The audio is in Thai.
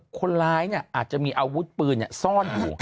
คนร้ายเนี่ยอาจจะมีอาวุธปืนอ่ะซ่อนเหรอ